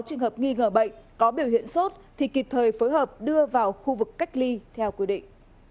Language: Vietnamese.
trường hợp nghi ngờ bệnh có biểu hiện sốt thì kịp thời phối hợp đưa vào khu vực cách ly theo quy định